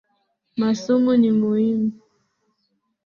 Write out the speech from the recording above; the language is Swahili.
Masomo ni muhimu